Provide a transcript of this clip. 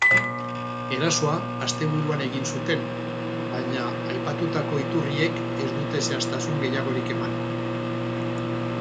Erasoa asteburuan egin zuten, baina aipatutako iturriek ez dute zehaztasun gehiagorik eman.